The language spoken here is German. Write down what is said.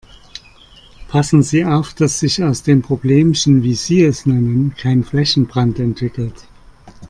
Passen Sie auf, dass sich aus dem Problemchen, wie Sie es nennen, kein Flächenbrand entwickelt.